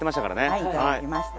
はいいただきました。